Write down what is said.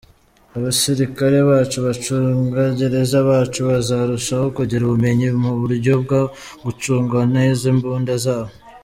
Abasirikare bacu, abacungagereza bacu bazarushaho kugira ubumenyi mu buryo bwo gucunga neza imbunda zabo.